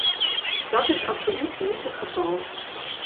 Dat is absoluut niet het geval.